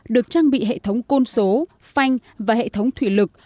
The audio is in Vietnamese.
được trang bị hệ thống côn số phanh và hệ thống thủy lực